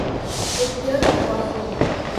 It really was so.